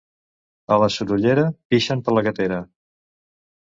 A la Sorollera, pixen per la gatera.